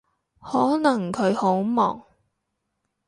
可能佢好忙